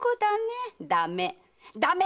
ダメ！